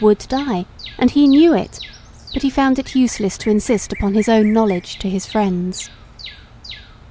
would die, and he knew it; but he found it useless to insist upon his own knowledge to his friends.